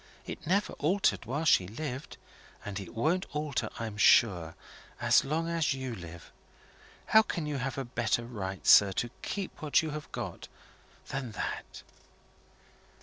It never altered while she lived; and it won't alter, I'm sure, as long as you live. How can you have a better right, sir, to keep what you have got than that?"